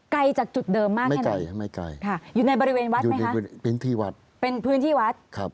ไกลจากจุดเดิมมากไหมครับอยู่ในบริเวณวัดไหมคะเป็นพื้นที่วัด